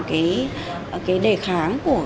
cái đề kháng